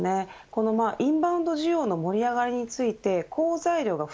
このインバウンド需要の盛り上がりについて好材料が